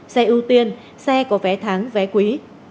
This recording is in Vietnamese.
xe ưu tiên xe có vé tháng vé quý